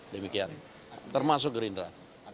demikian termasuk gerindra